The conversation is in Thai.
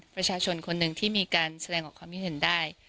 ประชาชนคนหนึ่งที่มีการแสดงออกความคิดเห็นได้